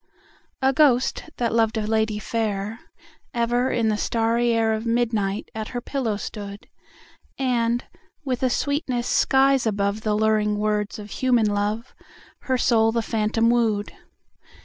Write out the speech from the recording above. A ghost, that loved a lady fair, Ever in the starry air Of midnight at her pillow stood; And, with a sweetness skies above The luring words of human love, Her soul the phantom wooed.